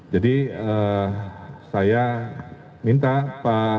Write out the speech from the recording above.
jadi saya minta pak wali pak pjs bersama ibu kadis